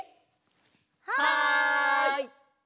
はい！